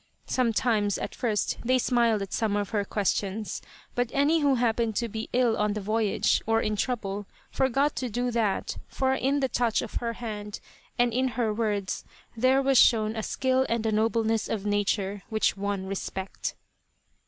Sometimes, at first, they smiled at some of her questions, but any who happened to be ill on the voyage, or in trouble, forgot to do that, for in the touch of her hand and in her words there was shown a skill and a nobleness of nature which won respect.